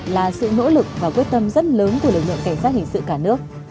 là sự nỗ lực và quyết tâm rất lớn của lực lượng cảnh sát hình sự cả nước